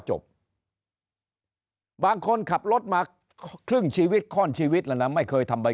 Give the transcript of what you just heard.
จบบางคนขับรถมาครึ่งชีวิตข้อนชีวิตแล้วนะไม่เคยทำใบ